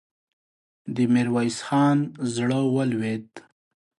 د ميرويس خان زړه ولوېد.